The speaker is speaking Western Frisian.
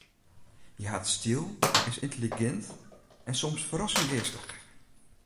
Hja hat styl, is yntelligint en soms ferrassend geastich.